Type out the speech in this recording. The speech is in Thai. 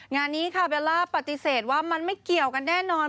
งานนี้ค่ะเบลล่าปฏิเสธว่ามันไม่เกี่ยวกันแน่นอน